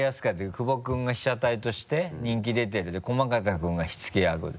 久保君が被写体として人気出てるで駒形君が火つけ役。